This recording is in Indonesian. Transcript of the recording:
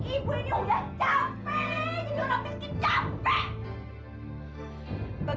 ibu ini udah capek